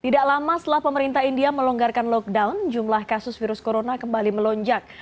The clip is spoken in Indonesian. tidak lama setelah pemerintah india melonggarkan lockdown jumlah kasus virus corona kembali melonjak